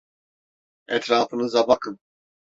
Etrafınıza bakın.